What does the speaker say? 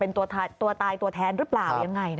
เป็นตัวตายตัวแทนรึเปล่าอย่างไงนะ